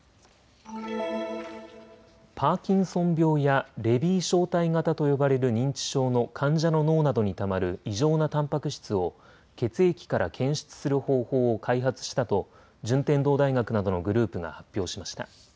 パーキンソン病やレビー小体型と呼ばれる認知症の患者の脳などにたまる異常なたんぱく質を血液から検出する方法を開発したと順天堂大学などのグループが発表しました。